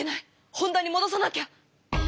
本題にもどさなきゃ。